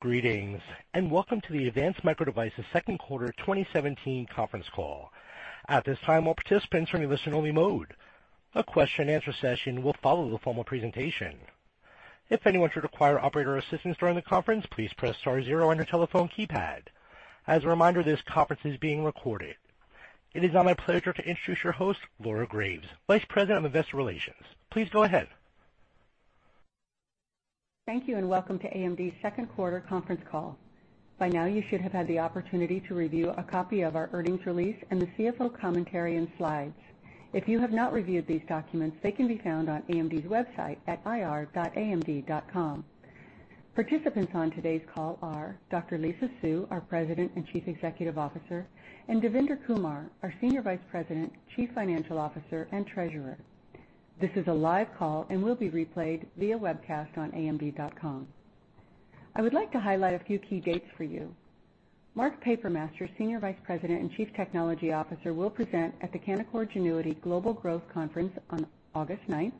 Greetings, welcome to the Advanced Micro Devices second quarter 2017 conference call. At this time, all participants are in listen-only mode. A question and answer session will follow the formal presentation. If anyone should require operator assistance during the conference, please press star zero on your telephone keypad. As a reminder, this conference is being recorded. It is now my pleasure to introduce your host, Laura Graves, Vice President of Investor Relations. Please go ahead. Thank you, welcome to AMD's second quarter conference call. By now, you should have had the opportunity to review a copy of our earnings release and the CFO commentary and slides. If you have not reviewed these documents, they can be found on AMD's website at ir.amd.com. Participants on today's call are Dr. Lisa Su, our President and Chief Executive Officer, and Devinder Kumar, our Senior Vice President, Chief Financial Officer, and Treasurer. This is a live call and will be replayed via webcast on amd.com. I would like to highlight a few key dates for you. Mark Papermaster, Senior Vice President and Chief Technology Officer, will present at the Canaccord Genuity Global Growth Conference on August ninth.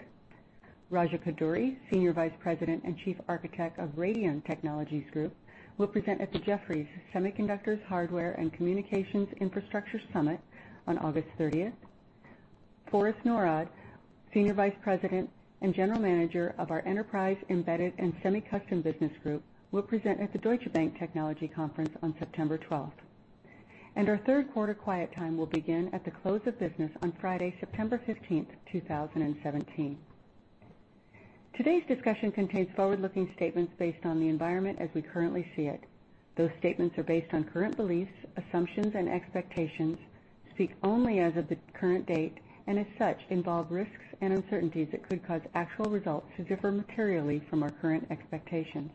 Raja Koduri, Senior Vice President and Chief Architect of Radeon Technologies Group, will present at the Jefferies Semiconductors, Hardware, and Communications Infrastructure Summit on August 30th. Forrest Norrod, Senior Vice President and General Manager of our Enterprise, Embedded, and Semi-Custom Business Group, will present at the Deutsche Bank Technology Conference on September 12th. Our third quarter quiet time will begin at the close of business on Friday, September 15th, 2017. Today's discussion contains forward-looking statements based on the environment as we currently see it. Those statements are based on current beliefs, assumptions, and expectations, speak only as of the current date, and as such, involve risks and uncertainties that could cause actual results to differ materially from our current expectations.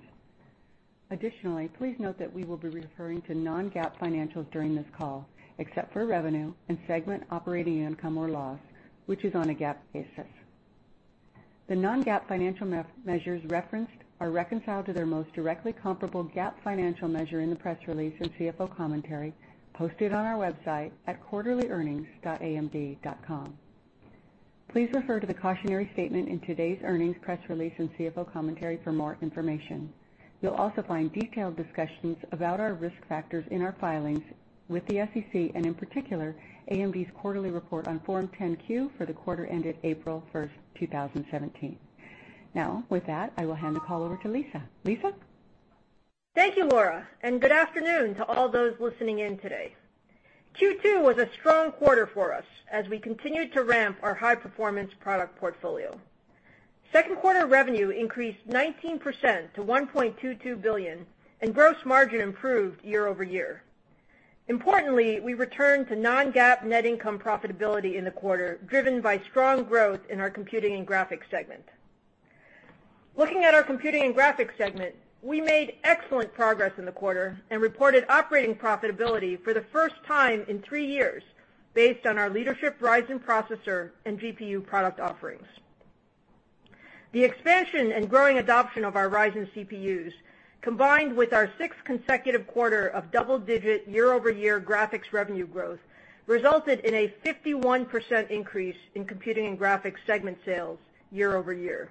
Additionally, please note that we will be referring to non-GAAP financials during this call, except for revenue and segment operating income or loss, which is on a GAAP basis. The non-GAAP financial measures referenced are reconciled to their most directly comparable GAAP financial measure in the press release and CFO commentary posted on our website at quarterlyearnings.amd.com. Please refer to the cautionary statement in today's earnings press release and CFO commentary for more information. You'll also find detailed discussions about our risk factors in our filings with the SEC, and in particular, AMD's quarterly report on Form 10-Q for the quarter ended April 1st, 2017. With that, I will hand the call over to Lisa. Lisa? Thank you, Laura. Good afternoon to all those listening in today. Q2 was a strong quarter for us as we continued to ramp our high-performance product portfolio. Second quarter revenue increased 19% to $1.22 billion, and gross margin improved year-over-year. Importantly, we returned to non-GAAP net income profitability in the quarter, driven by strong growth in our Computing and Graphics segment. Looking at our Computing and Graphics segment, we made excellent progress in the quarter and reported operating profitability for the first time in three years based on our leadership Ryzen processor and GPU product offerings. The expansion and growing adoption of our Ryzen CPUs, combined with our sixth consecutive quarter of double-digit year-over-year graphics revenue growth, resulted in a 51% increase in Computing and Graphics segment sales year-over-year.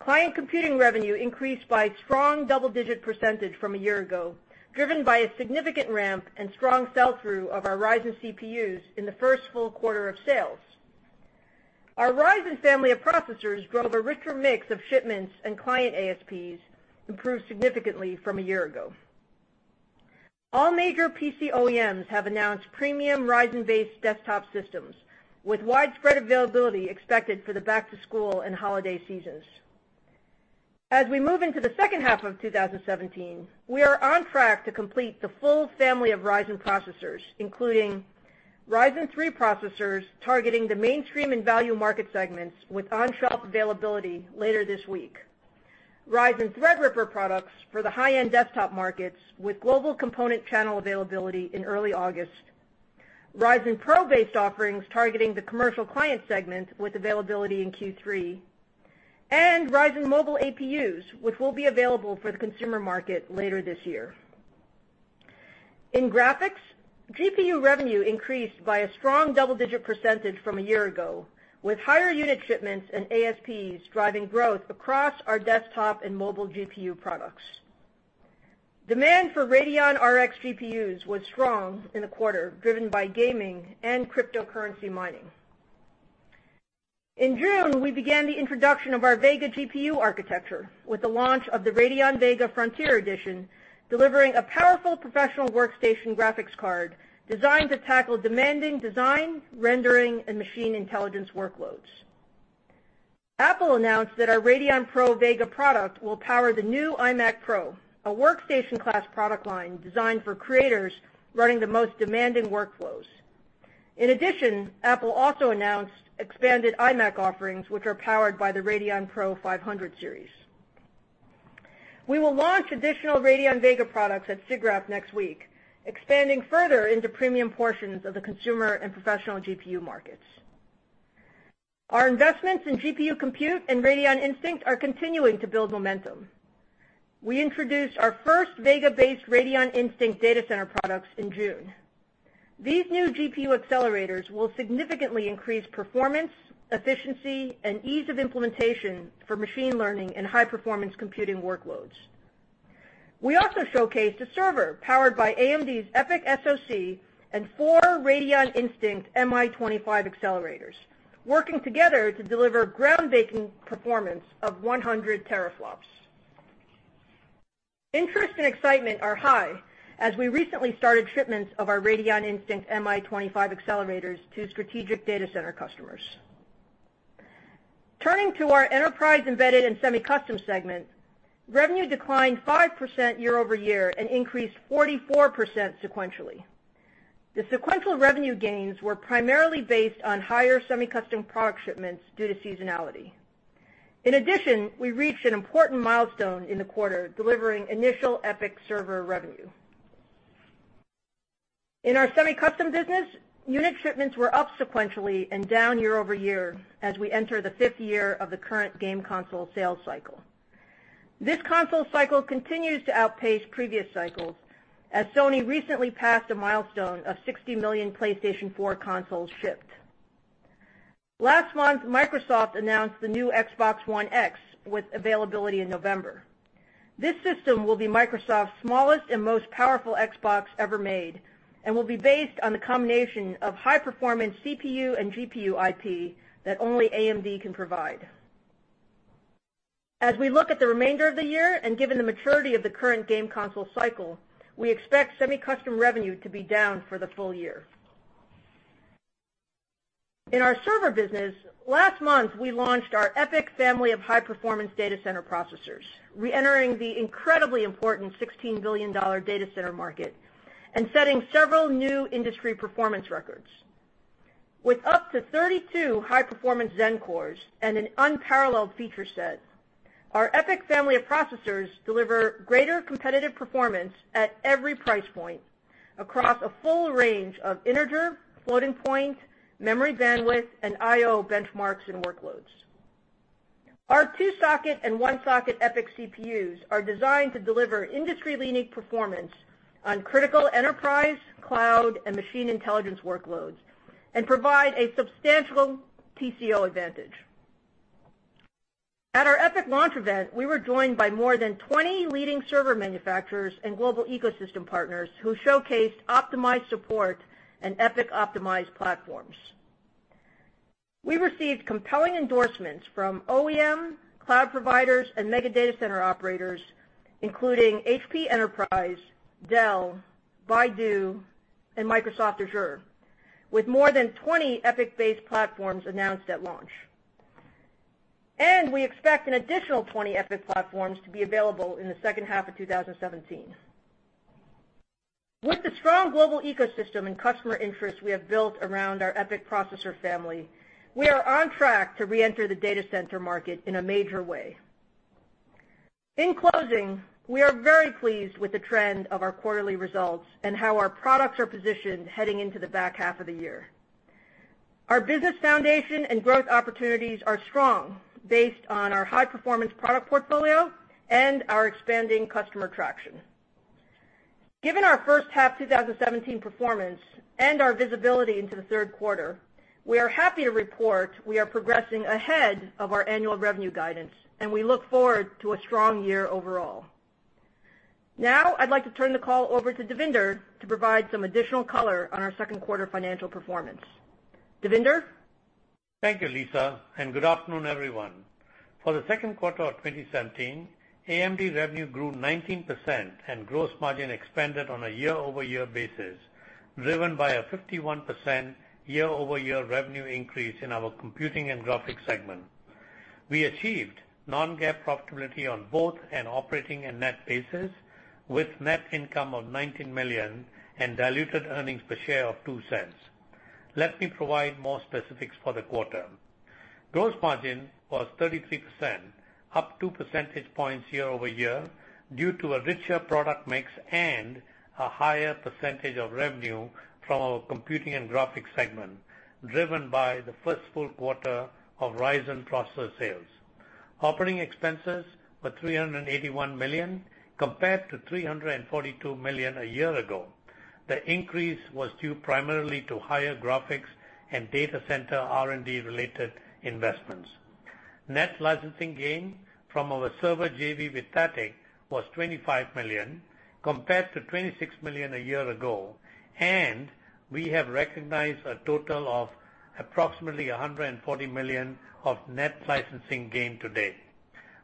Client computing revenue increased by strong double-digit percentage from a year ago, driven by a significant ramp and strong sell-through of our Ryzen CPUs in the first full quarter of sales. Our Ryzen family of processors drove a richer mix of shipments, and client ASPs improved significantly from a year ago. All major PC OEMs have announced premium Ryzen-based desktop systems, with widespread availability expected for the back-to-school and holiday seasons. As we move into the second half of 2017, we are on track to complete the full family of Ryzen processors, including Ryzen 3 processors targeting the mainstream and value market segments with on-shelf availability later this week; Ryzen Threadripper products for the high-end desktop markets, with global component channel availability in early August; Ryzen PRO-based offerings targeting the commercial client segment, with availability in Q3; and Ryzen mobile APUs, which will be available for the consumer market later this year. In graphics, GPU revenue increased by a strong double-digit percentage from a year ago, with higher unit shipments and ASPs driving growth across our desktop and mobile GPU products. Demand for Radeon RX GPUs was strong in the quarter, driven by gaming and cryptocurrency mining. In June, we began the introduction of our Vega GPU architecture with the launch of the Radeon Vega Frontier Edition, delivering a powerful professional workstation graphics card designed to tackle demanding design, rendering, and machine intelligence workloads. Apple announced that our Radeon Pro Vega product will power the new iMac Pro, a workstation class product line designed for creators running the most demanding workflows. In addition, Apple also announced expanded iMac offerings, which are powered by the Radeon Pro 500 series. We will launch additional Radeon Vega products at SIGGRAPH next week, expanding further into premium portions of the consumer and professional GPU markets. Our investments in GPU compute and Radeon Instinct are continuing to build momentum. We introduced our first Vega-based Radeon Instinct data center products in June. These new GPU accelerators will significantly increase performance, efficiency, and ease of implementation for machine learning and high-performance computing workloads. We also showcased a server powered by AMD's EPYC SoC and four Radeon Instinct MI25 accelerators, working together to deliver groundbreaking performance of 100 teraflops. Interest and excitement are high as we recently started shipments of our Radeon Instinct MI25 accelerators to strategic data center customers. Turning to our Enterprise, Embedded, and Semi-Custom segment, revenue declined 5% year-over-year and increased 44% sequentially. The sequential revenue gains were primarily based on higher semi-custom product shipments due to seasonality. In addition, we reached an important milestone in the quarter, delivering initial EPYC server revenue. In our semi-custom business, unit shipments were up sequentially and down year-over-year as we enter the fifth year of the current game console sales cycle. This console cycle continues to outpace previous cycles as Sony recently passed a milestone of 60 million PlayStation 4 consoles shipped. Last month, Microsoft announced the new Xbox One X with availability in November. This system will be Microsoft's smallest and most powerful Xbox ever made and will be based on the combination of high-performance CPU and GPU IP that only AMD can provide. As we look at the remainder of the year and given the maturity of the current game console cycle, we expect semi-custom revenue to be down for the full year. In our server business, last month, we launched our EPYC family of high-performance data center processors, re-entering the incredibly important $16 billion data center market and setting several new industry performance records. With up to 32 high-performance Zen cores and an unparalleled feature set, our EPYC family of processors deliver greater competitive performance at every price point across a full range of integer, floating point, memory bandwidth, and IO benchmarks and workloads. Our two-socket and one-socket EPYC CPUs are designed to deliver industry-leading performance on critical enterprise, cloud, and machine intelligence workloads and provide a substantial TCO advantage. At our EPYC launch event, we were joined by more than 20 leading server manufacturers and global ecosystem partners who showcased optimized support and EPYC-optimized platforms. We received compelling endorsements from OEM, cloud providers, and mega data center operators, including HP Enterprise, Dell, Baidu, and Microsoft Azure, with more than 20 EPYC-based platforms announced at launch. We expect an additional 20 EPYC platforms to be available in the second half of 2017. With the strong global ecosystem and customer interest we have built around our EPYC processor family, we are on track to re-enter the data center market in a major way. In closing, we are very pleased with the trend of our quarterly results and how our products are positioned heading into the back half of the year. Our business foundation and growth opportunities are strong based on our high-performance product portfolio and our expanding customer traction. Given our first half 2017 performance and our visibility into the third quarter, we are happy to report we are progressing ahead of our annual revenue guidance, and we look forward to a strong year overall. Now, I'd like to turn the call over to Devinder to provide some additional color on our second quarter financial performance. Devinder? Thank you, Lisa. Good afternoon, everyone. For the second quarter of 2017, AMD revenue grew 19% and gross margin expanded on a year-over-year basis, driven by a 51% year-over-year revenue increase in our Computing and Graphics segment. We achieved non-GAAP profitability on both an operating and net basis, with net income of $19 million and diluted earnings per share of $0.02. Let me provide more specifics for the quarter. Gross margin was 33%, up two percentage points year-over-year, due to a richer product mix and a higher percentage of revenue from our Computing and Graphics segment, driven by the first full quarter of Ryzen processor sales. Operating expenses were $381 million, compared to $342 million a year ago. The increase was due primarily to higher graphics and data center R&D-related investments. Net licensing gain from our server JV with THATIC was $25 million, compared to $26 million a year ago, and we have recognized a total of approximately $140 million of net licensing gain to date.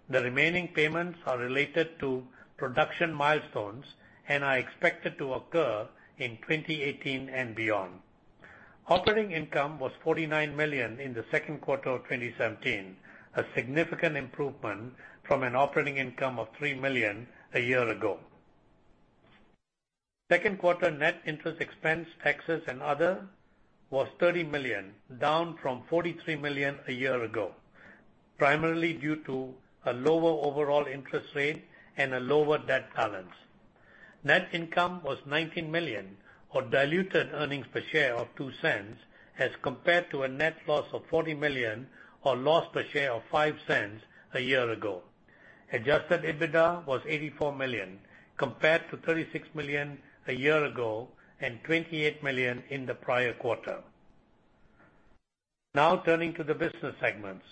The remaining payments are related to production milestones and are expected to occur in 2018 and beyond. Operating income was $49 million in the second quarter of 2017, a significant improvement from an operating income of $3 million a year ago. Second quarter net interest expense, taxes, and other was $30 million, down from $43 million a year ago, primarily due to a lower overall interest rate and a lower debt balance. Net income was $19 million, or diluted earnings per share of $0.02 as compared to a net loss of $40 million, or loss per share of $0.05 a year ago. Adjusted EBITDA was $84 million compared to $36 million a year ago and $28 million in the prior quarter. Turning to the business segments.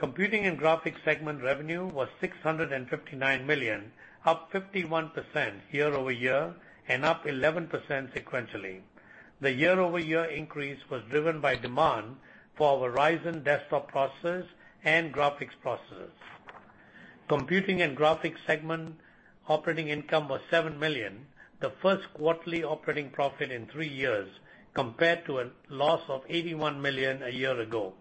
Computing and Graphics segment revenue was $659 million, up 51% year-over-year and up 11% sequentially. The year-over-year increase was driven by demand for our Ryzen desktop processors and graphics processors. Computing and Graphics segment operating income was $7 million, the first quarterly operating profit in three years, compared to a loss of $81 million a year ago.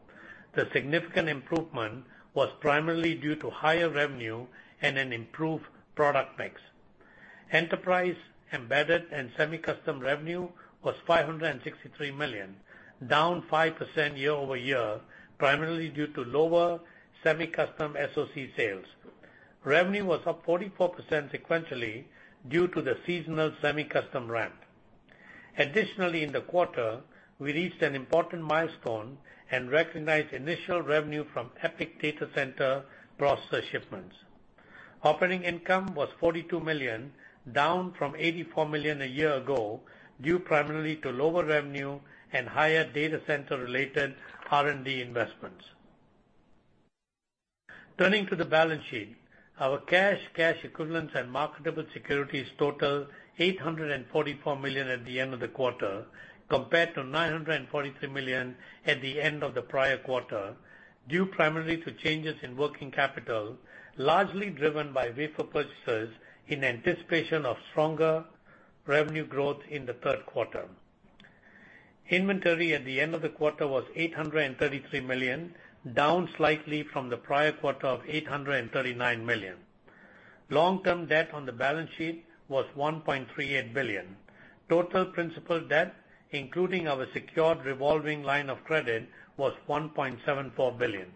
The significant improvement was primarily due to higher revenue and an improved product mix. Enterprise, Embedded, and Semi-Custom revenue was $563 million, down 5% year-over-year, primarily due to lower semi-custom SoC sales. Revenue was up 44% sequentially due to the seasonal semi-custom ramp. Additionally, in the quarter, we reached an important milestone and recognized initial revenue from EPYC data center processor shipments. Operating income was $42 million, down from $84 million a year ago, due primarily to lower revenue and higher data center-related R&D investments. Turning to the balance sheet, our cash equivalents and marketable securities total $844 million at the end of the quarter, compared to $943 million at the end of the prior quarter, due primarily to changes in working capital, largely driven by wafer purchases in anticipation of stronger revenue growth in the third quarter. Inventory at the end of the quarter was $833 million, down slightly from the prior quarter of $839 million. Long-term debt on the balance sheet was $1.38 billion. Total principal debt, including our secured revolving line of credit, was $1.74 billion.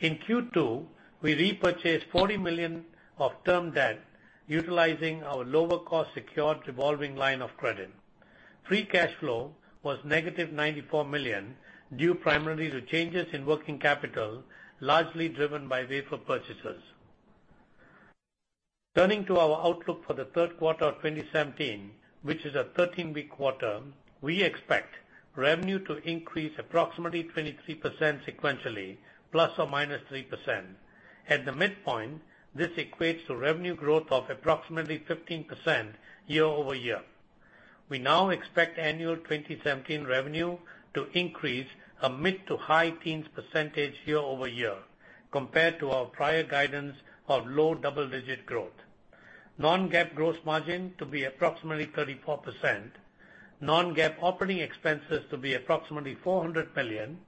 In Q2, we repurchased $40 million of term debt utilizing our lower-cost secured revolving line of credit. Free cash flow was negative $94 million, due primarily to changes in working capital, largely driven by wafer purchases. Turning to our outlook for the third quarter of 2017, which is a 13-week quarter, we expect revenue to increase approximately 23% sequentially, ±3%. At the midpoint, this equates to revenue growth of approximately 15% year-over-year. We now expect annual 2017 revenue to increase a mid to high teens percentage year-over-year, compared to our prior guidance of low double-digit growth. Non-GAAP gross margin to be approximately 34%, non-GAAP operating expenses to be approximately $400 million,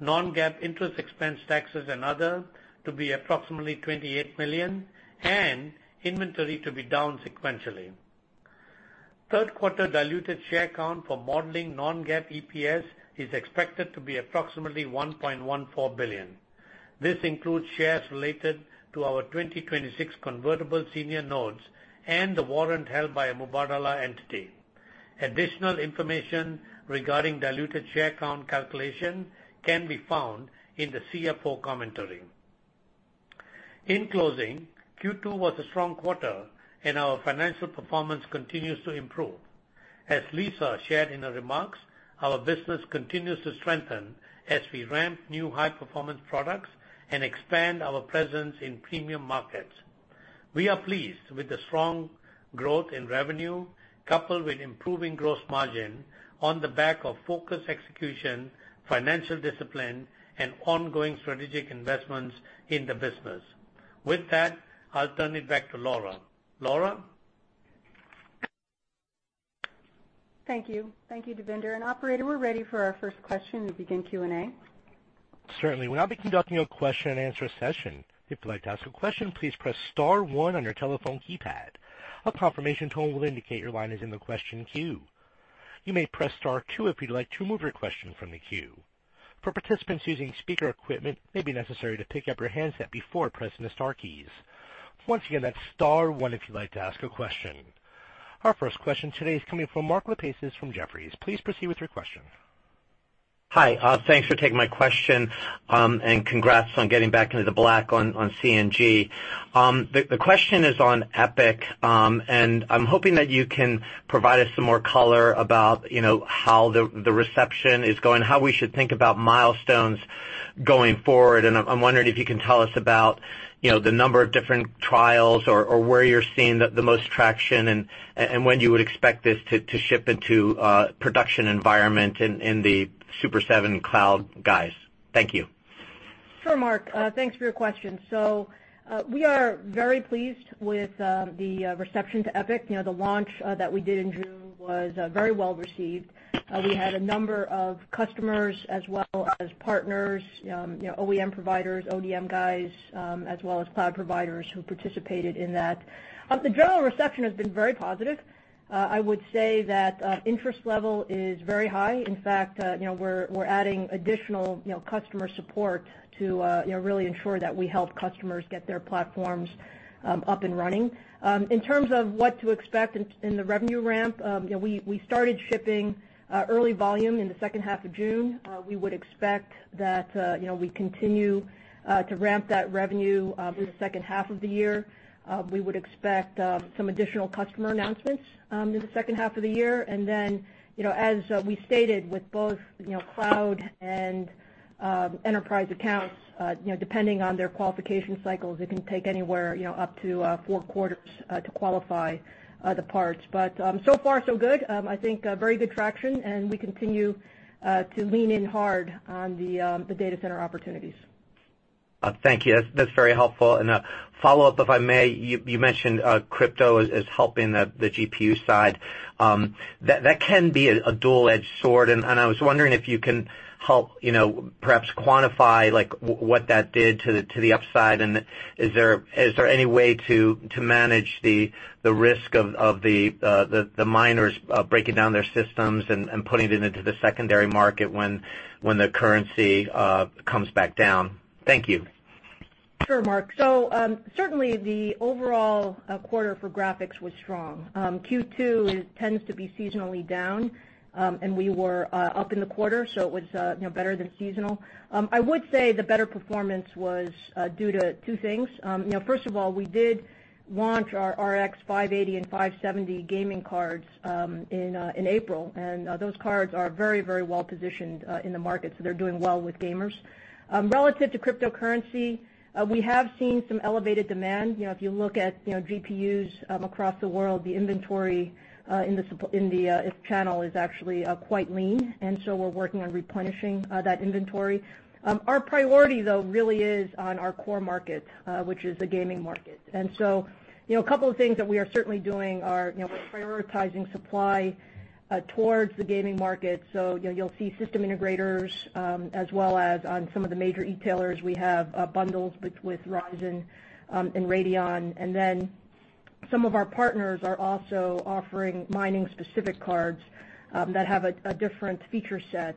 non-GAAP interest expense, taxes, and other to be approximately $28 million, and inventory to be down sequentially. Third quarter diluted share count for modeling non-GAAP EPS is expected to be approximately 1.14 billion. This includes shares related to our 2026 convertible senior notes and the warrant held by a Mubadala entity. Additional information regarding diluted share count calculation can be found in the CFO commentary. In closing, Q2 was a strong quarter, and our financial performance continues to improve. As Lisa shared in her remarks, our business continues to strengthen as we ramp new high-performance products and expand our presence in premium markets. We are pleased with the strong growth in revenue, coupled with improving gross margin on the back of focused execution, financial discipline, and ongoing strategic investments in the business. With that, I'll turn it back to Laura. Laura? Thank you. Thank you, Devinder. Operator, we're ready for our first question to begin Q&A. Certainly. We'll now be conducting a question and answer session. If you'd like to ask a question, please press *1 on your telephone keypad. A confirmation tone will indicate your line is in the question queue. You may press *2 if you'd like to remove your question from the queue. For participants using speaker equipment, it may be necessary to pick up your handset before pressing the star keys. Once again, that's *1 if you'd like to ask a question. Our first question today is coming from Mark Lipacis from Jefferies. Please proceed with your question. Hi. Thanks for taking my question. Congrats on getting back into the black on C&G. The question is on EPYC. I'm hoping that you can provide us some more color about how the reception is going, how we should think about milestones going forward. I'm wondering if you can tell us about the number of different trials or where you're seeing the most traction, and when you would expect this to ship into a production environment in the Super 7 Cloud guys. Thank you. Sure, Mark. Thanks for your question. We are very pleased with the reception to EPYC. The launch that we did in June was very well received. We had a number of customers as well as partners, OEM providers, ODM guys, as well as cloud providers who participated in that. The general reception has been very positive. I would say that interest level is very high. In fact, we're adding additional customer support to really ensure that we help customers get their platforms up and running. In terms of what to expect in the revenue ramp, we started shipping early volume in the second half of June. We would expect that we continue to ramp that revenue through the second half of the year. We would expect some additional customer announcements in the second half of the year. As we stated with both cloud and enterprise accounts, depending on their qualification cycles, it can take anywhere up to four quarters to qualify the parts. So far so good. I think very good traction, and we continue to lean in hard on the data center opportunities. Thank you. That's very helpful. A follow-up, if I may. You mentioned crypto is helping the GPU side. That can be a dual-edged sword, and I was wondering if you can help perhaps quantify what that did to the upside, and is there any way to manage the risk of the miners breaking down their systems and putting it into the secondary market when the currency comes back down? Thank you. Sure, Mark. Certainly the overall quarter for graphics was strong. Q2 tends to be seasonally down, we were up in the quarter, it was better than seasonal. I would say the better performance was due to two things. First of all, we did launch our Radeon RX 580 and Radeon RX 570 gaming cards in April, those cards are very well positioned in the market, they're doing well with gamers. Relative to cryptocurrency, we have seen some elevated demand. If you look at GPUs across the world, the inventory in the channel is actually quite lean, we're working on replenishing that inventory. Our priority, though, really is on our core market, which is the gaming market. A couple of things that we are certainly doing are we're prioritizing supply towards the gaming market. You'll see system integrators as well as on some of the major retailers we have bundles with Ryzen and Radeon. Some of our partners are also offering mining-specific cards that have a different feature set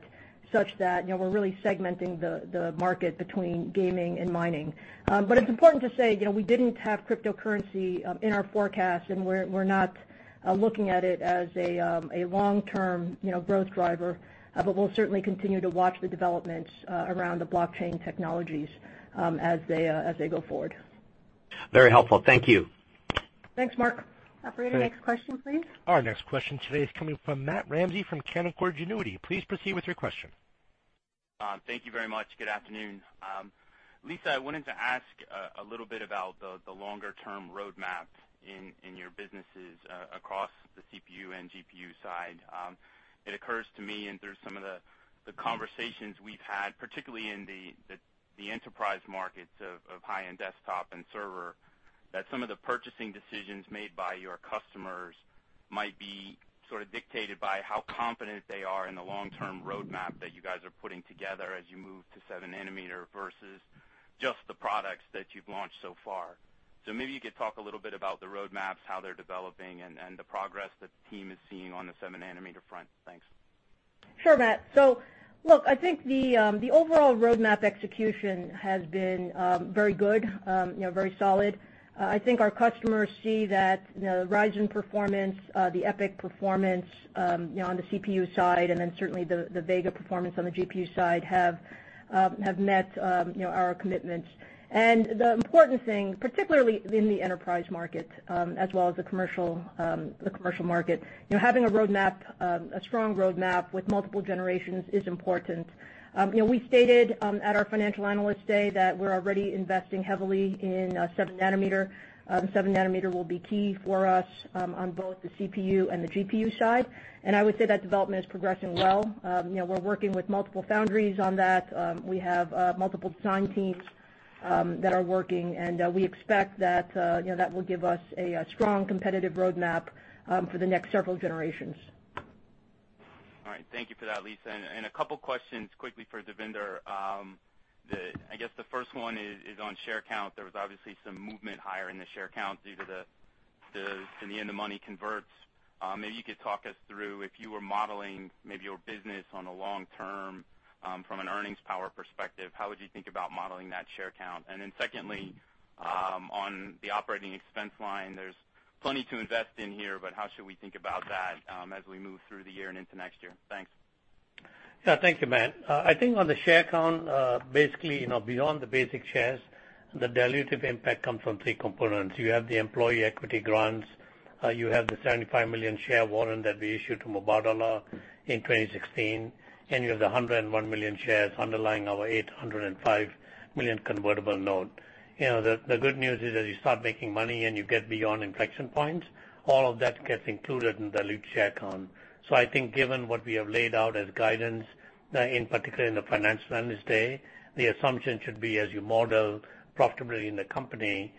such that we're really segmenting the market between gaming and mining. It's important to say, we didn't have cryptocurrency in our forecast, we're not looking at it as a long-term growth driver. We'll certainly continue to watch the developments around the blockchain technologies as they go forward. Very helpful. Thank you. Thanks, Mark. Operator, next question, please. Our next question today is coming from Matt Ramsay from Canaccord Genuity. Please proceed with your question. Thank you very much. Good afternoon. Lisa, I wanted to ask a little bit about the longer-term roadmap in your businesses across the CPU and GPU side. It occurs to me, and through some of the conversations we've had, particularly in the enterprise markets of high-end desktop and server, that some of the purchasing decisions made by your customers might be sort of dictated by how confident they are in the long-term roadmap that you guys are putting together as you move to 7 nanometer versus just the products that you've launched so far. Maybe you could talk a little bit about the roadmaps, how they're developing, and the progress the team is seeing on the 7 nanometer front. Thanks. Sure, Matt. Look, I think the overall roadmap execution has been very good, very solid. I think our customers see that Ryzen performance, the EPYC performance on the CPU side, then certainly the Vega performance on the GPU side have met our commitments. The important thing, particularly in the enterprise market as well as the commercial market, having a strong roadmap with multiple generations is important. We stated at our Financial Analyst Day that we're already investing heavily in 7 nanometer. 7 nanometer will be key for us on both the CPU and the GPU side, I would say that development is progressing well. We're working with multiple foundries on that. We have multiple design teams that are working, we expect that will give us a strong competitive roadmap for the next several generations. All right. Thank you for that, Lisa. A couple questions quickly for Devinder. I guess the first one is on share count. There was obviously some movement higher in the share count due to the in-the-money converts. Maybe you could talk us through if you were modeling maybe your business on a long term from an earnings power perspective, how would you think about modeling that share count? Then secondly, on the operating expense line, there's plenty to invest in here, but how should we think about that as we move through the year and into next year? Thanks. Yeah, thank you, Matt. I think on the share count, basically, beyond the basic shares, the dilutive impact comes from three components. You have the employee equity grants, you have the 75 million share warrant that we issued to Mubadala in 2016, and you have the 101 million shares underlying our 805 million convertible note. The good news is as you start making money and you get beyond inflection points, all of that gets included in dilutive share count. I think given what we have laid out as guidance, in particular in the Financial Analyst Day, the assumption should be as you model profitability in the company,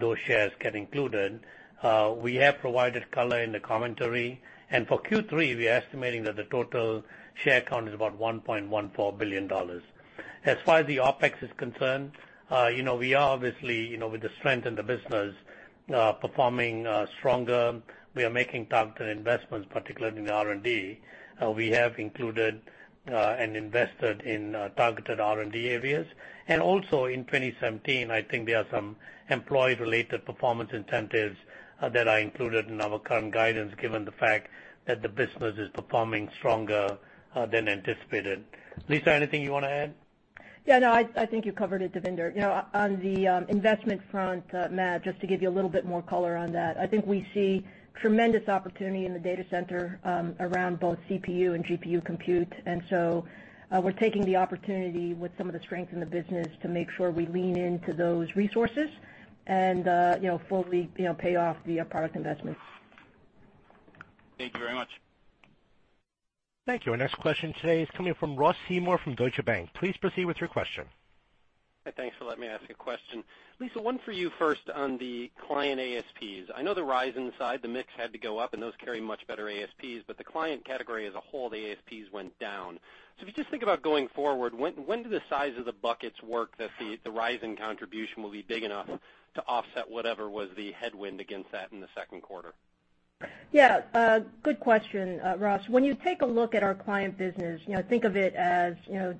those shares get included. We have provided color in the commentary, and for Q3, we are estimating that the total share count is about $1.14 billion. As far as the OpEx is concerned, we are obviously, with the strength in the business, performing stronger. We are making targeted investments, particularly in the R&D. We have included and invested in targeted R&D areas. Also in 2017, I think there are some employee-related performance incentives that are included in our current guidance given the fact that the business is performing stronger than anticipated. Lisa, anything you want to add? Yeah, no, I think you covered it, Devinder. On the investment front, Matt, just to give you a little bit more color on that, I think we see tremendous opportunity in the data center around both CPU and GPU compute. We're taking the opportunity with some of the strength in the business to make sure we lean into those resources and fully pay off the product investments. Thank you very much. Thank you. Our next question today is coming from Ross Seymore from Deutsche Bank. Please proceed with your question. Thanks for letting me ask a question. Lisa, one for you first on the client ASPs. I know Ryzen on the side, the mix had to go up, and those carry much better ASPs, but the client category as a whole, the ASPs went down. If you just think about going forward, when do the size of the buckets work that the Ryzen contribution will be big enough to offset whatever was the headwind against that in the second quarter? Yeah. Good question, Ross. When you take a look at our client business, think of it as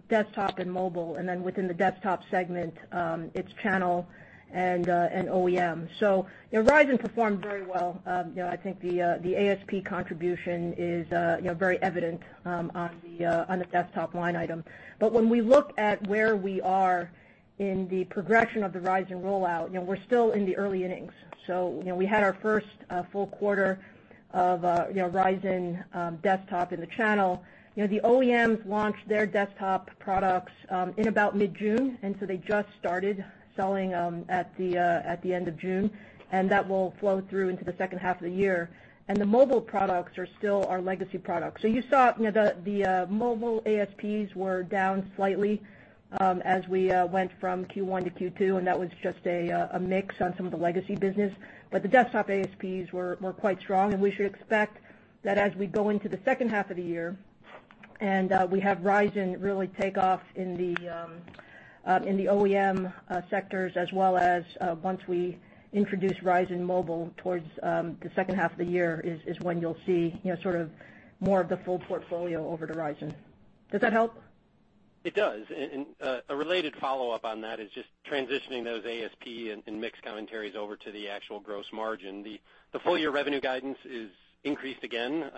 desktop and mobile, and then within the desktop segment, it's channel and OEM. Ryzen performed very well. I think the ASP contribution is very evident on the desktop line item. When we look at where we are in the progression of the Ryzen rollout, we're still in the early innings. We had our first full quarter of Ryzen desktop in the channel. The OEMs launched their desktop products in about mid-June, and they just started selling at the end of June, and that will flow through into the second half of the year. The mobile products are still our legacy products. You saw the mobile ASPs were down slightly as we went from Q1 to Q2, and that was just a mix on some of the legacy business. The desktop ASPs were quite strong, and we should expect that as we go into the second half of the year and we have Ryzen really take off in the OEM sectors as well as once we introduce Ryzen Mobile towards the second half of the year, is when you'll see more of the full portfolio over to Ryzen. Does that help? It does. A related follow-up on that is just transitioning those ASP and mixed commentaries over to the actual gross margin. The full-year revenue guidance is increased again.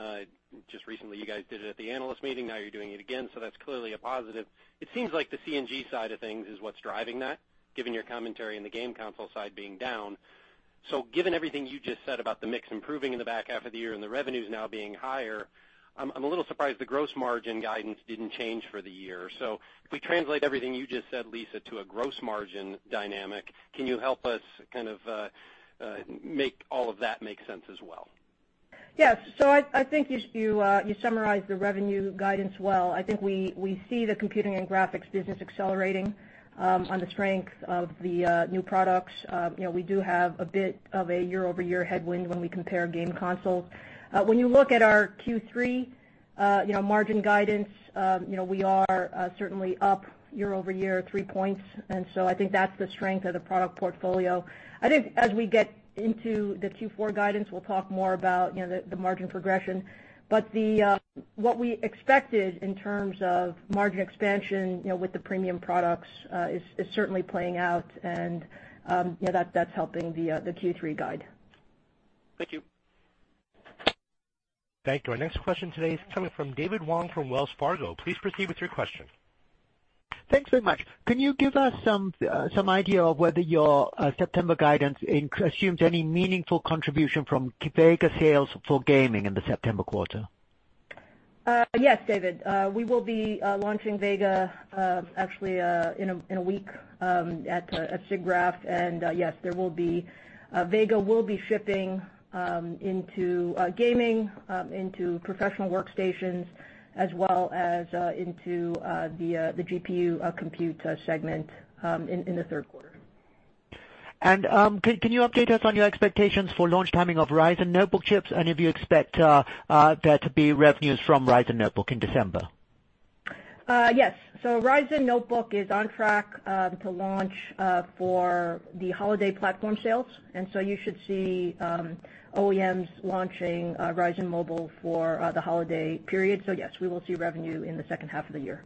Just recently, you guys did it at the analyst meeting, now you're doing it again, so that's clearly a positive. It seems like the C&G side of things is what's driving that, given your commentary and the game console side being down. Given everything you just said about the mix improving in the back half of the year and the revenues now being higher, I'm a little surprised the gross margin guidance didn't change for the year. If we translate everything you just said, Lisa, to a gross margin dynamic, can you help us kind of make all of that make sense as well? Yes. I think you summarized the revenue guidance well. I think we see the Computing and Graphics business accelerating on the strength of the new products. We do have a bit of a year-over-year headwind when we compare game consoles. When you look at our Q3 margin guidance, we are certainly up year-over-year three points. I think that's the strength of the product portfolio. I think as we get into the Q4 guidance, we'll talk more about the margin progression. What we expected in terms of margin expansion, with the premium products, is certainly playing out and that's helping the Q3 guide. Thank you. Thank you. Our next question today is coming from David Wong from Wells Fargo. Please proceed with your question. Thanks very much. Can you give us some idea of whether your September guidance assumes any meaningful contribution from Vega sales for gaming in the September quarter? Yes, David. We will be launching Vega actually in a week at SIGGRAPH. Yes, Vega will be shipping into gaming, into professional workstations, as well as into the GPU compute segment in the third quarter. Can you update us on your expectations for launch timing of Ryzen Mobile chips? If you expect there to be revenues from Ryzen Mobile in December? Yes. Ryzen Mobile is on track to launch for the holiday platform sales. You should see OEMs launching Ryzen Mobile for the holiday period. Yes, we will see revenue in the second half of the year.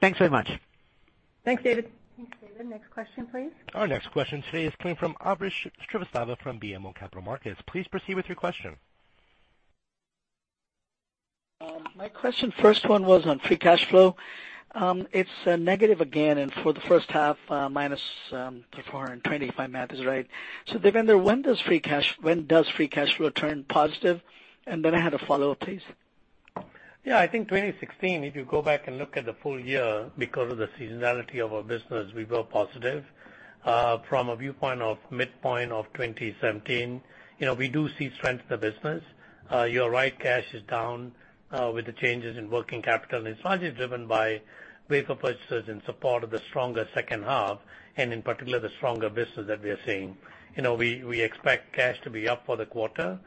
Thanks very much. Thanks, David. Thanks, David. Next question, please. Our next question today is coming from Ambrish Srivastava from BMO Capital Markets. Please proceed with your question. My question, first one, was on free cash flow. It's negative again, and for the first half, -$420, if my math is right. Devinder, when does free cash flow turn positive? I had a follow-up, please. Yeah. I think 2016, if you go back and look at the full year, because of the seasonality of our business, we were positive. From a viewpoint of midpoint of 2017, we do see strength in the business. You are right, cash is down with the changes in working capital, and it's largely driven by wafer purchases in support of the stronger second half, and in particular, the stronger business that we are seeing. We expect cash to be up for the quarter,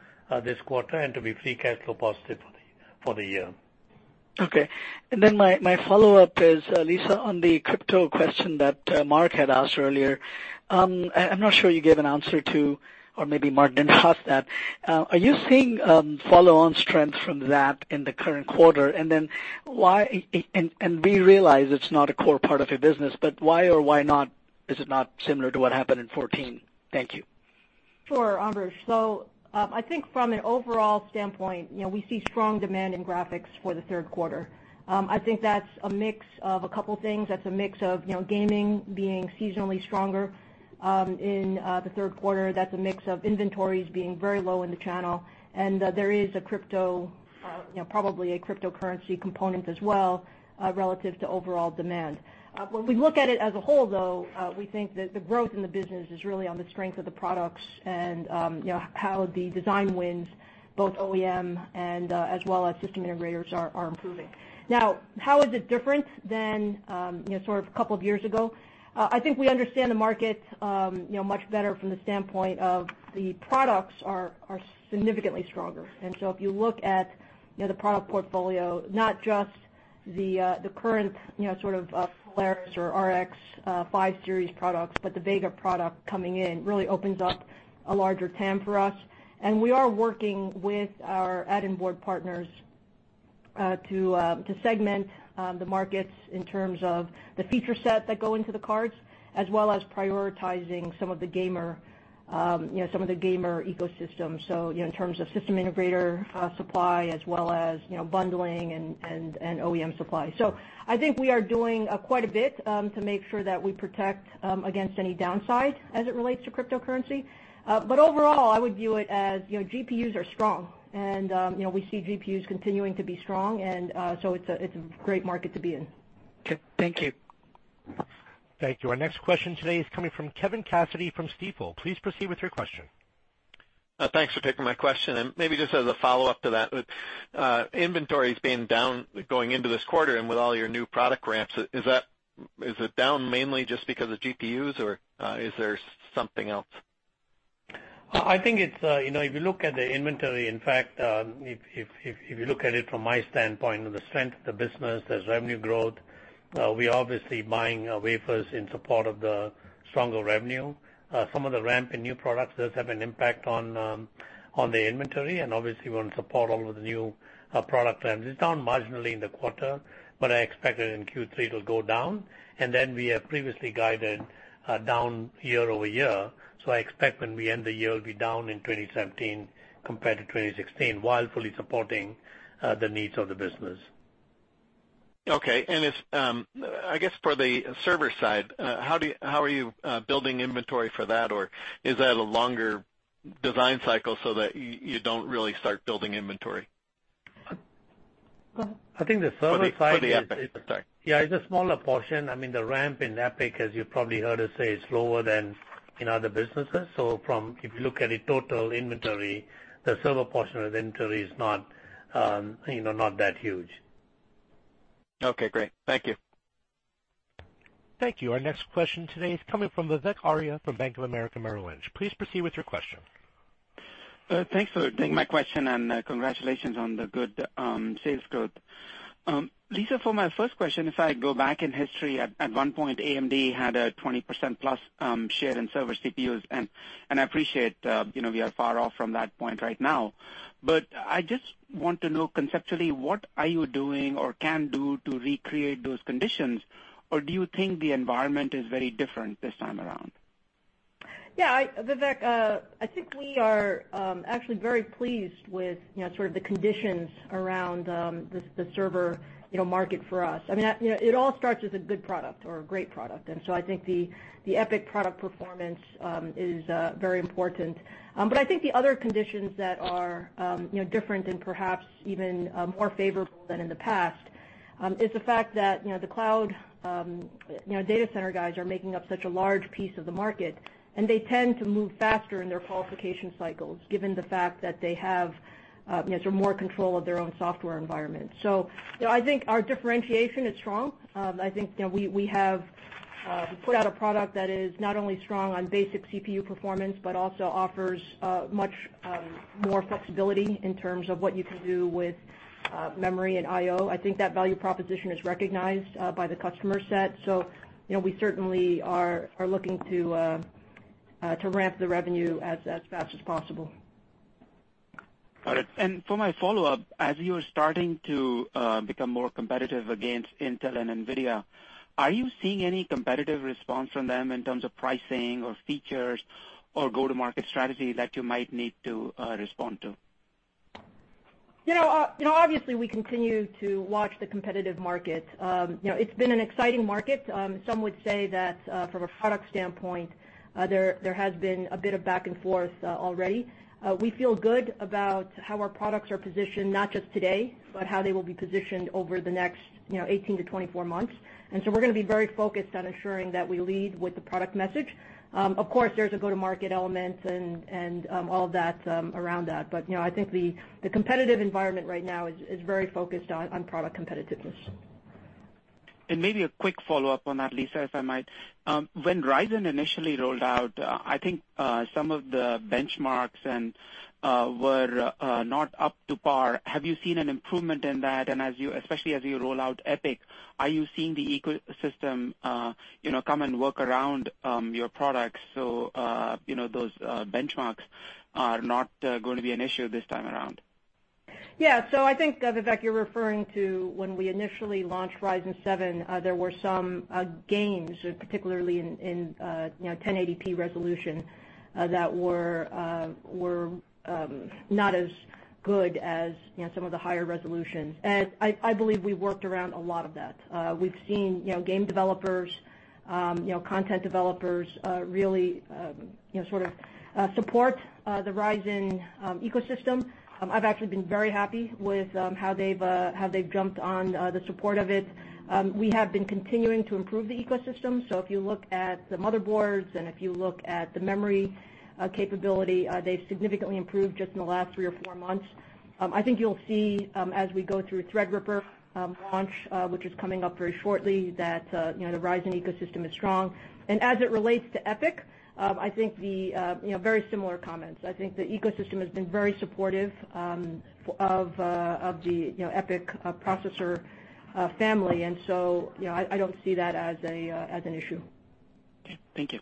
this quarter, and to be free cash flow positive for the year. Okay. My follow-up is, Lisa, on the crypto question that Mark had asked earlier. I'm not sure you gave an answer to, or maybe Mark didn't ask that. Are you seeing follow-on strength from that in the current quarter? We realize it's not a core part of your business, but why or why not is it not similar to what happened in 2014? Thank you. Sure, Ambrish. I think from an overall standpoint, we see strong demand in graphics for the third quarter. I think that's a mix of a couple things. That's a mix of gaming being seasonally stronger in the third quarter, that's a mix of inventories being very low in the channel, and there is probably a cryptocurrency component as well, relative to overall demand. When we look at it as a whole, though, we think that the growth in the business is really on the strength of the products and how the design wins, both OEM and as well as system integrators are improving. Now, how is it different than a couple of years ago? I think we understand the market much better from the standpoint of the products are significantly stronger. If you look at the product portfolio, not just the current Polaris or RX 5 Series products, but the Vega product coming in really opens up a larger TAM for us. We are working with our add-in-board partners to segment the markets in terms of the feature set that go into the cards, as well as prioritizing some of the gamer ecosystem. In terms of system integrator supply as well as bundling and OEM supply. I think we are doing quite a bit to make sure that we protect against any downside as it relates to cryptocurrency. Overall, I would view it as GPUs are strong, we see GPUs continuing to be strong, it's a great market to be in. Okay. Thank you. Thank you. Our next question today is coming from Kevin Cassidy from Stifel. Please proceed with your question. Thanks for taking my question. Maybe just as a follow-up to that. Inventories being down going into this quarter and with all your new product ramps, is it down mainly just because of GPUs, or is there something else? I think if you look at the inventory, in fact, if you look at it from my standpoint on the strength of the business, there's revenue growth. We're obviously buying wafers in support of the stronger revenue. Some of the ramp in new products does have an impact on the inventory, and obviously we want to support all of the new product ramps. It's down marginally in the quarter, but I expect that in Q3 it'll go down. Then we have previously guided down year-over-year. I expect when we end the year, it'll be down in 2017 compared to 2016, while fully supporting the needs of the business. Okay. I guess for the server side, how are you building inventory for that, or is that a longer design cycle so that you don't really start building inventory? I think the server side- For the EPYC, sorry. Yeah, it's a smaller portion. The ramp in EPYC, as you probably heard us say, is slower than in other businesses. If you look at it, total inventory, the server portion of the inventory is not that huge. Okay, great. Thank you. Thank you. Our next question today is coming from Vivek Arya from Bank of America Merrill Lynch. Please proceed with your question. Thanks for taking my question and congratulations on the good sales growth. Lisa, for my first question, if I go back in history, at one point, AMD had a 20%-plus share in server CPUs, and I appreciate we are far off from that point right now. I just want to know, conceptually, what are you doing or can do to recreate those conditions, or do you think the environment is very different this time around? Yeah, Vivek, I think we are actually very pleased with the conditions around the server market for us. It all starts with a good product or a great product. I think the EPYC product performance is very important. I think the other conditions that are different and perhaps even more favorable than in the past, is the fact that the cloud data center guys are making up such a large piece of the market, and they tend to move faster in their qualification cycles given the fact that they have more control of their own software environment. I think our differentiation is strong. I think we have put out a product that is not only strong on basic CPU performance, but also offers much more flexibility in terms of what you can do with memory and IO. I think that value proposition is recognized by the customer set. We certainly are looking to ramp the revenue as fast as possible. Got it. For my follow-up, as you are starting to become more competitive against Intel and NVIDIA, are you seeing any competitive response from them in terms of pricing or features or go-to-market strategy that you might need to respond to? Obviously, we continue to watch the competitive market. It's been an exciting market. Some would say that from a product standpoint, there has been a bit of back and forth already. We feel good about how our products are positioned, not just today, but how they will be positioned over the next 18 to 24 months. We're going to be very focused on ensuring that we lead with the product message. Of course, there's a go-to-market element and all of that around that. I think the competitive environment right now is very focused on product competitiveness. Maybe a quick follow-up on that, Lisa, if I might. When Ryzen initially rolled out, I think some of the benchmarks were not up to par. Have you seen an improvement in that? Especially as you roll out EPYC, are you seeing the ecosystem come and work around your products so those benchmarks are not going to be an issue this time around? Yeah. I think, Vivek, you're referring to when we initially launched Ryzen 7, there were some gains, particularly in 1080p resolution, that were not as good as some of the higher resolutions. I believe we worked around a lot of that. We've seen game developers, content developers really support the Ryzen ecosystem. I've actually been very happy with how they've jumped on the support of it. We have been continuing to improve the ecosystem. If you look at the motherboards, and if you look at the memory capability, they've significantly improved just in the last three or four months. I think you'll see, as we go through Threadripper launch, which is coming up very shortly, that the Ryzen ecosystem is strong. As it relates to EPYC, very similar comments. I think the ecosystem has been very supportive of the EPYC processor family. I don't see that as an issue. Okay. Thank you.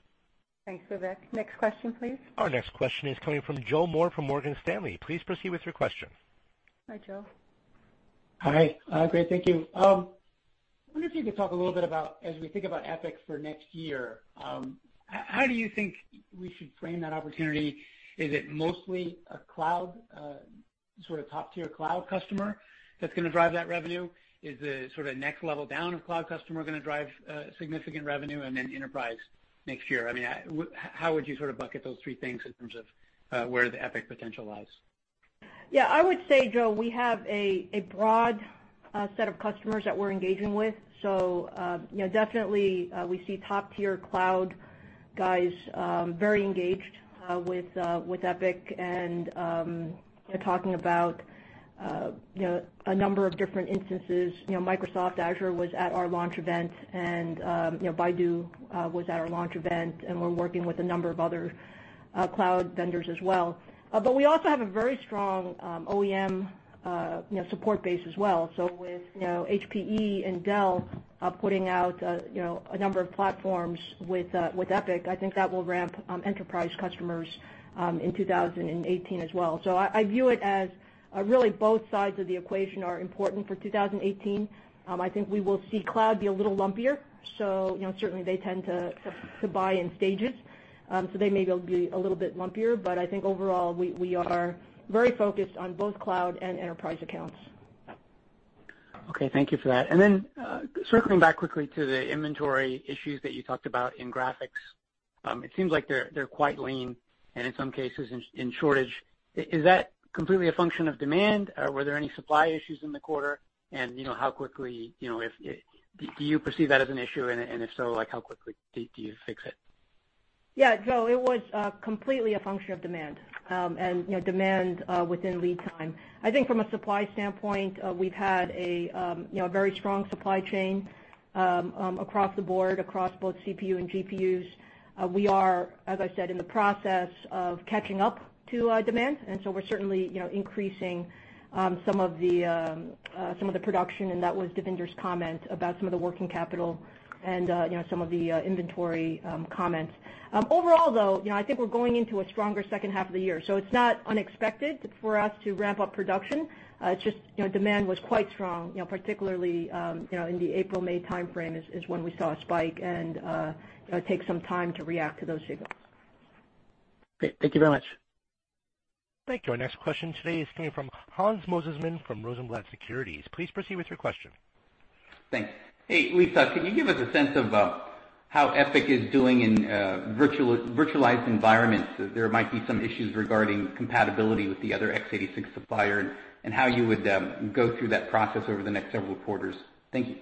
Thanks, Vivek. Next question, please. Our next question is coming from Joseph Moore from Morgan Stanley. Please proceed with your question. Hi, Joe. Hi. Great. Thank you. I wonder if you could talk a little bit about, as we think about EPYC for next year, how do you think we should frame that opportunity? Is it mostly a cloud, sort of top-tier cloud customer that's gonna drive that revenue? Is the sort of next level down of cloud customer gonna drive significant revenue and then enterprise next year? How would you sort of bucket those three things in terms of where the EPYC potential lies? Yeah. I would say, Joe, we have a broad set of customers that we're engaging with. Definitely, we see top-tier cloud guys very engaged with EPYC, and talking about a number of different instances. Microsoft Azure was at our launch event, and Baidu was at our launch event, and we're working with a number of other cloud vendors as well. We also have a very strong OEM support base as well. With HPE and Dell putting out a number of platforms with EPYC, I think that will ramp enterprise customers in 2018 as well. I view it as really both sides of the equation are important for 2018. I think we will see cloud be a little lumpier. Certainly they tend to buy in stages. They may be a little bit lumpier, but I think overall, we are very focused on both cloud and enterprise accounts. Okay. Thank you for that. Then, circling back quickly to the inventory issues that you talked about in graphics. It seems like they're quite lean, and in some cases, in shortage. Is that completely a function of demand, or were there any supply issues in the quarter? Do you perceive that as an issue, and if so, how quickly do you fix it? Joe, it was completely a function of demand, and demand within lead time. I think from a supply standpoint, we've had a very strong supply chain across the board, across both CPU and GPUs. We are, as I said, in the process of catching up to demand, so we're certainly increasing some of the production, and that was Devinder's comment about some of the working capital and some of the inventory comments. Overall, though, I think we're going into a stronger second half of the year. It's not unexpected for us to ramp up production. It's just demand was quite strong, particularly, in the April-May timeframe, is when we saw a spike, it takes some time to react to those signals. Great. Thank you very much. Thank you. Our next question today is coming from Hans Mosesmann from Rosenblatt Securities. Please proceed with your question. Thanks. Hey, Lisa, can you give us a sense of how EPYC is doing in virtualized environments? There might be some issues regarding compatibility with the other x86 supplier, and how you would go through that process over the next several quarters. Thank you.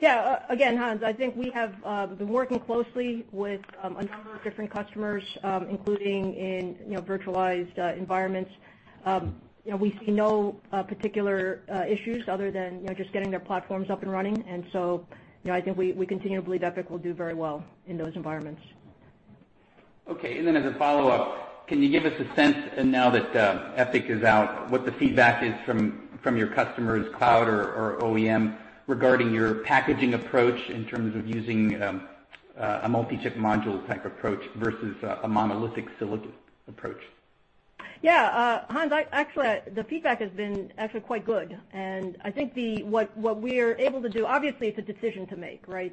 Yeah. Again, Hans, I think we have been working closely with a number of different customers, including in virtualized environments. We see no particular issues other than just getting their platforms up and running. I think we continue to believe EPYC will do very well in those environments. Okay. As a follow-up, can you give us a sense, now that EPYC is out, what the feedback is from your customers, cloud or OEM, regarding your packaging approach in terms of using a multi-chip module type approach versus a monolithic silicon approach? Yeah. Hans, actually, the feedback has been quite good. I think what we're able to do, obviously, it's a decision to make, right?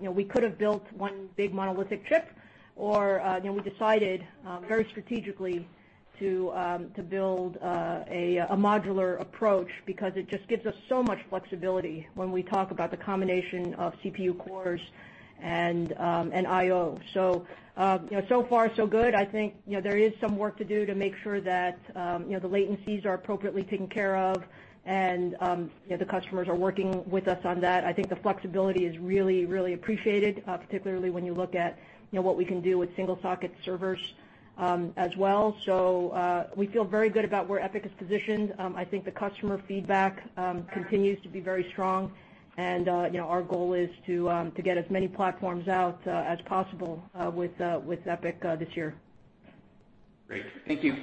We could have built one big monolithic chip, or we decided very strategically to build a modular approach because it just gives us so much flexibility when we talk about the combination of CPU cores and IO. Far so good. I think there is some work to do to make sure that the latencies are appropriately taken care of, and the customers are working with us on that. I think the flexibility is really, really appreciated, particularly when you look at what we can do with single-socket servers as well. We feel very good about where EPYC is positioned. I think the customer feedback continues to be very strong. Our goal is to get as many platforms out as possible with EPYC this year. Great. Thank you.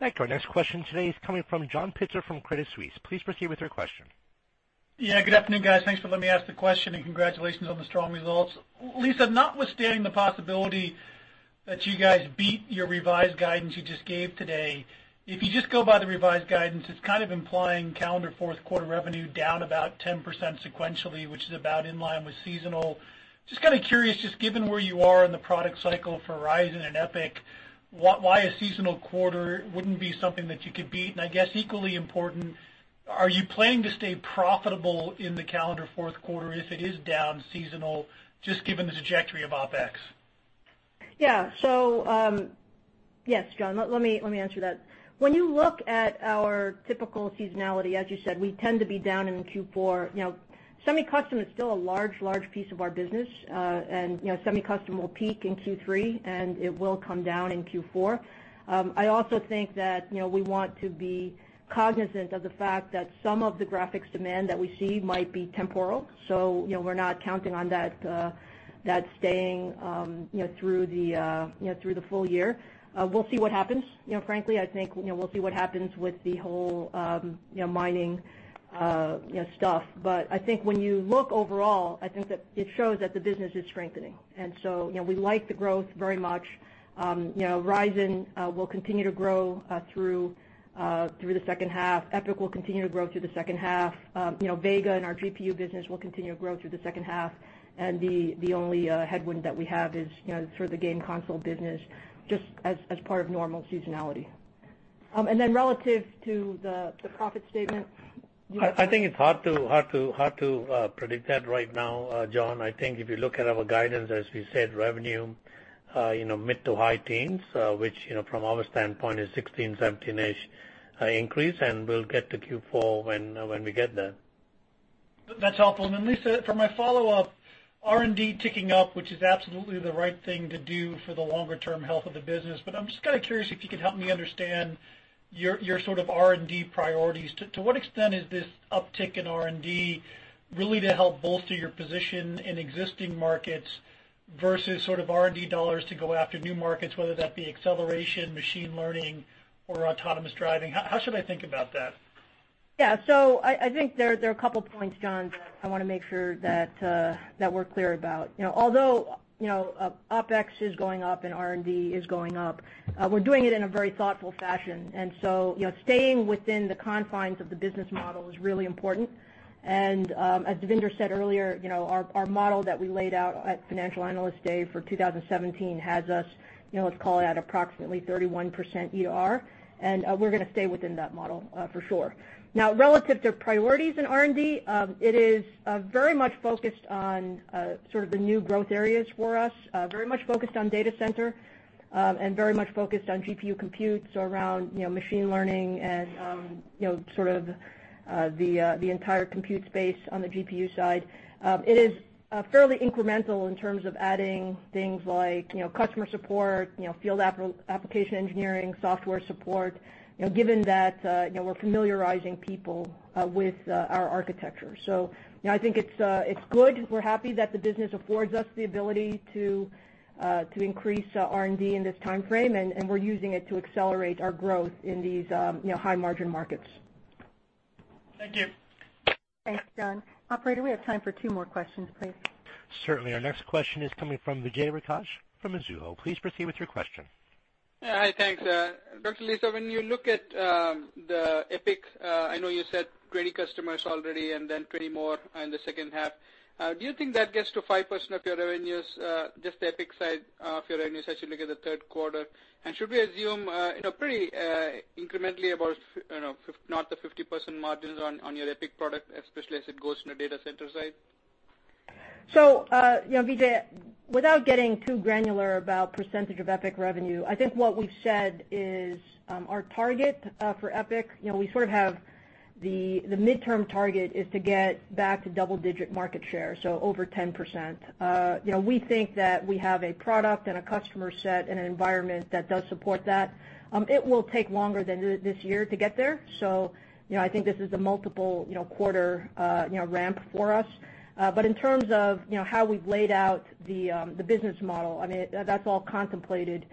Thank you. Our next question today is coming from John Pitzer from Credit Suisse. Please proceed with your question. Good afternoon, guys. Thanks for letting me ask the question. Congratulations on the strong results. Lisa, notwithstanding the possibility that you guys beat your revised guidance you just gave today, if you just go by the revised guidance, it's kind of implying calendar fourth quarter revenue down about 10% sequentially, which is about in line with seasonal. Just curious, just given where you are in the product cycle for Ryzen and EPYC, why a seasonal quarter wouldn't be something that you could beat? I guess equally important, are you planning to stay profitable in the calendar fourth quarter if it is down seasonal, just given the trajectory of OpEx? Yes, John, let me answer that. When you look at our typical seasonality, as you said, we tend to be down in Q4. Semi-custom is still a large piece of our business. Semi-custom will peak in Q3. It will come down in Q4. I also think that we want to be cognizant of the fact that some of the graphics demand that we see might be temporal. We're not counting on that staying through the full year. We'll see what happens. Frankly, I think we'll see what happens with the whole mining stuff. I think when you look overall, I think that it shows that the business is strengthening. We like the growth very much. Ryzen will continue to grow through the second half. EPYC will continue to grow through the second half. Vega and our GPU business will continue to grow through the second half. The only headwind that we have is for the game console business, just as part of normal seasonality. Relative to the profit statement. I think it's hard to predict that right now, John. I think if you look at our guidance, as we said, revenue mid to high teens, which from our standpoint is 16, 17-ish increase. We'll get to Q4 when we get there. That's helpful. Lisa, for my follow-up, R&D ticking up, which is absolutely the right thing to do for the longer-term health of the business. I'm just kind of curious if you could help me understand your sort of R&D priorities. To what extent is this uptick in R&D really to help bolster your position in existing markets versus sort of R&D dollars to go after new markets, whether that be acceleration, machine learning, or autonomous driving? How should I think about that? I think there are a couple of points, John, that I want to make sure that we're clear about. Although OpEx is going up and R&D is going up, we're doing it in a very thoughtful fashion. Staying within the confines of the business model is really important. As Devinder said earlier, our model that we laid out at Financial Analyst Day for 2017 has us, let's call it, at approximately 31% E/R, and we're going to stay within that model for sure. Relative to priorities in R&D, it is very much focused on sort of the new growth areas for us, very much focused on data center, and very much focused on GPU compute, so around machine learning and sort of the entire compute space on the GPU side. It is fairly incremental in terms of adding things like customer support, field application engineering, software support, given that we're familiarizing people with our architecture. I think it's good. We're happy that the business affords us the ability to increase R&D in this timeframe, and we're using it to accelerate our growth in these high-margin markets. Thank you. Thanks, John. Operator, we have time for two more questions, please. Certainly. Our next question is coming from Vijay Rakesh from Mizuho. Please proceed with your question. Hi, thanks. Dr. Lisa, when you look at the EPYC, I know you said 20 customers already and then 20 more in the second half. Do you think that gets to 5% of your revenues, just the EPYC side of your revenues as you look at the third quarter? Should we assume pretty incrementally about not the 50% margins on your EPYC product, especially as it goes to the data center side? Vijay, without getting too granular about percentage of EPYC revenue, I think what we've said is our target for EPYC, we sort of have the midterm target is to get back to double-digit market share, so over 10%. We think that we have a product and a customer set and an environment that does support that. It will take longer than this year to get there. I think this is a multiple-quarter ramp for us. In terms of how we've laid out the business model, I mean, that's all contemplated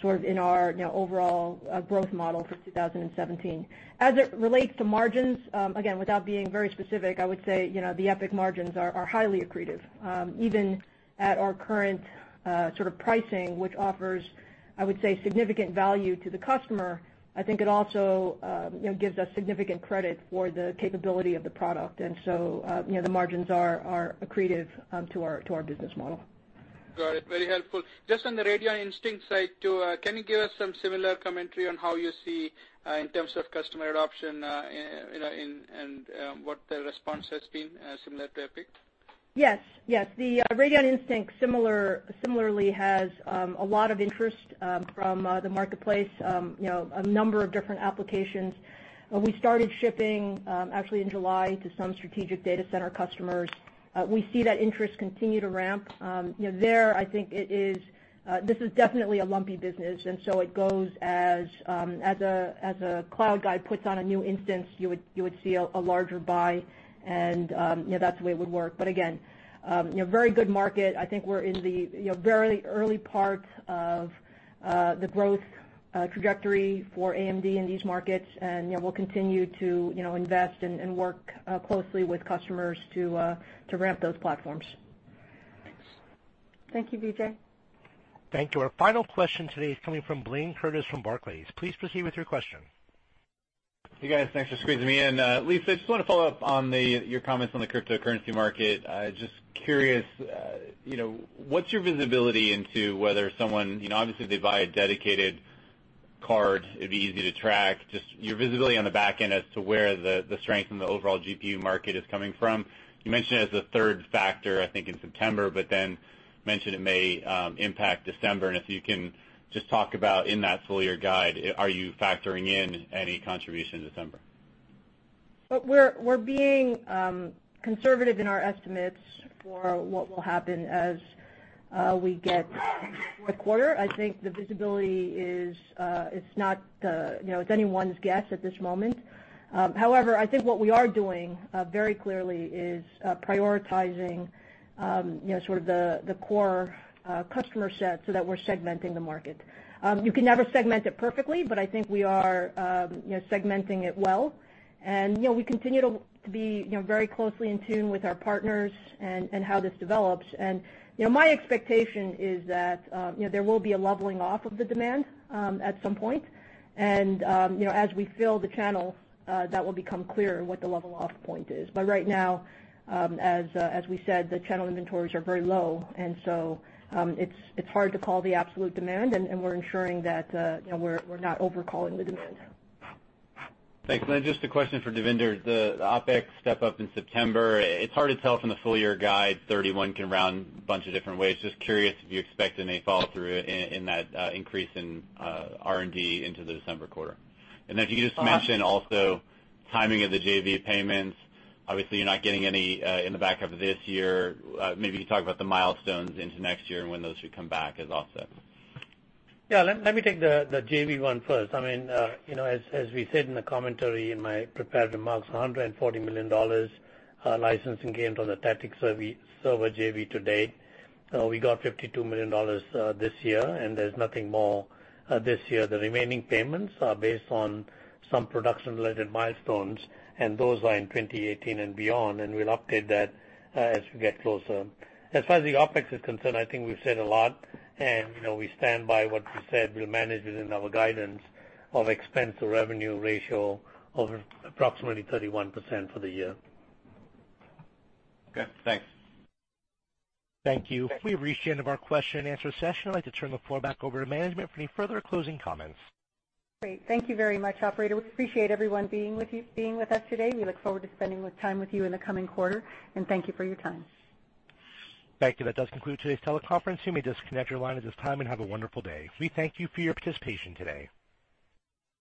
sort of in our overall growth model for 2017. As it relates to margins, again, without being very specific, I would say the EPYC margins are highly accretive, even at our current sort of pricing, which offers, I would say, significant value to the customer. I think it also gives us significant credit for the capability of the product, and so the margins are accretive to our business model. Got it. Very helpful. Just on the Radeon Instinct side, too, can you give us some similar commentary on how you see in terms of customer adoption, and what the response has been similar to EPYC? Yes. The Radeon Instinct similarly has a lot of interest from the marketplace, a number of different applications. We started shipping, actually in July, to some strategic data center customers. We see that interest continue to ramp. There, I think it is, this is definitely a lumpy business, and so it goes as a cloud guy puts on a new instance, you would see a larger buy and that's the way it would work. Again, very good market. I think we're in the very early parts of the growth trajectory for AMD in these markets, and we'll continue to invest and work closely with customers to ramp those platforms. Thanks. Thank you, Vijay. Thank you. Our final question today is coming from Blayne Curtis from Barclays. Please proceed with your question. Hey, guys. Thanks for squeezing me in. Lisa, I just want to follow up on your comments on the cryptocurrency market. Just curious, what's your visibility into whether someone, obviously, if they buy a dedicated card, it'd be easy to track. Just your visibility on the back end as to where the strength in the overall GPU market is coming from. You mentioned it as a third factor, I think, in September. Then mentioned it may impact December. If you can just talk about in that full-year guide, are you factoring in any contribution in December? We're being conservative in our estimates for what will happen as we get into the fourth quarter. I think the visibility, it's anyone's guess at this moment. However, I think what we are doing, very clearly, is prioritizing the core customer set so that we're segmenting the market. You can never segment it perfectly, but I think we are segmenting it well. We continue to be very closely in tune with our partners and how this develops. My expectation is that there will be a leveling off of the demand at some point. As we fill the channel, that will become clearer what the level-off point is. I think we are segmenting it well. We continue to be very closely in tune with our partners and how this develops. My expectation is that there will be a leveling off of the demand at some point. As we fill the channel, that will become clearer what the level-off point is. But right now, as we said, the channel inventories are very low. So it's hard to call the absolute demand. We're ensuring that we're not over-calling the demand. Thanks. Then just a question for Devinder. The OpEx step-up in September, it's hard to tell from the full-year guide, 31 can round a bunch of different ways. Just curious if you expect any follow-through in that increase in R&D into the December quarter. Then if you could just mention also timing of the JV payments. Obviously, you're not getting any in the back half of this year. Maybe you could talk about the milestones into next year and when those should come back as offset. Yeah. Let me take the JV one first. As we said in the commentary in my prepared remarks, $140 million licensing gained on the THATIC server JV to date. We got $52 million this year. There's nothing more this year. The remaining payments are based on some production-related milestones. Those are in 2018 and beyond, and we'll update that as we get closer. As far as the OpEx is concerned, I think we've said a lot. We stand by what we said. We'll manage it in our guidance of Expense-to-Revenue ratio over approximately 31% for the year. Okay, thanks. Thank you. We've reached the end of our question and answer session. I'd like to turn the floor back over to management for any further closing comments. Great. Thank you very much, operator. We appreciate everyone being with us today. We look forward to spending time with you in the coming quarter. Thank you for your time. Thank you. That does conclude today's teleconference. You may disconnect your line at this time, and have a wonderful day. We thank you for your participation today.